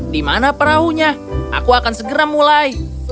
di mana perahunya aku akan segera mulai